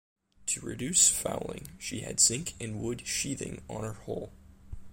To reduce fouling, she had zinc and wood sheathing on her hull.